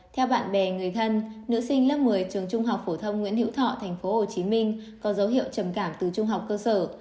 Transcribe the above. theo bạn bè người thân nữ sinh lớp một mươi trường trung học phổ thông nguyễn hữu thọ tp hcm có dấu hiệu trầm cảm từ trung học cơ sở